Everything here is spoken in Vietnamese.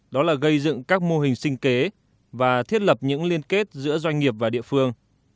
đó là gây dựng các mô hình sinh kế và thiết lập những liên kết giữa doanh nghiệp và địa phương